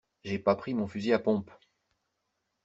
J'ai pas pris mon fusil à pompe.